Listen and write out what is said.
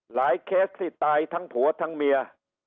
เคสที่ตายทั้งผัวทั้งเมีย